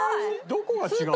どこが違う？